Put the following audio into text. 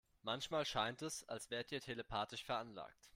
Manchmal scheint es, als wärt ihr telepathisch veranlagt.